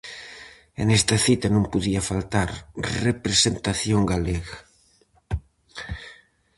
E nesta cita non podía faltar representación galega.